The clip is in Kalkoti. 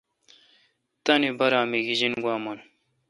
تانی بارہ می گیجنگوا من